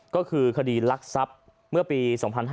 ก็คือคดีลักทรัพย์เมื่อปี๒๕๕๙